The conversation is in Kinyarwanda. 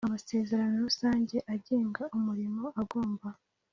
Amasezerano rusange agenga umurimo agomba